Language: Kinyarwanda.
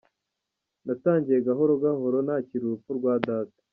Natangiye gahoro gahoro nakira urupfu rwa data.